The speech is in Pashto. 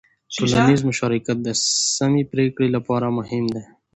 ټولنیز مشارکت د سمې پرېکړې لپاره مهم دی.